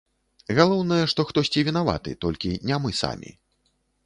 Галоўнае, што хтосьці вінаваты, толькі не мы самі.